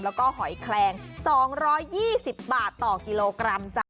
แล้วก็หอยแคลง๒๒๐บาทต่อกิโลกรัมจ้ะ